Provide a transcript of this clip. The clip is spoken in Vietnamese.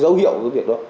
dấu hiệu của cái việc đó